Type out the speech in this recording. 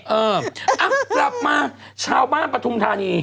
เออกลับมาชาวบ้านปฐุมธานี